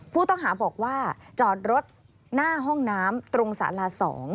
ผู้ต้องหาบอกว่าจอดรถหน้าห้องน้ำตรงสารา๒